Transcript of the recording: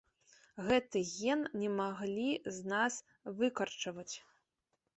Гэты ген не маглі з нас выкарчаваць.